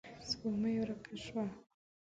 سپوږمۍ ورکه شوه.